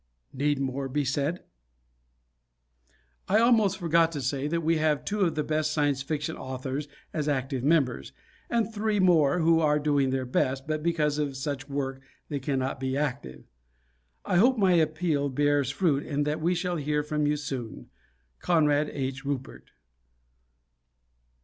Need more be said? I almost forgot to say that we have two of the best Science Fiction authors as active members, and three more who are doing their best, but because of such work they cannot be active. I hope my appeal bears fruit and that we shall hear from you soon. Conrad H. Ruppert.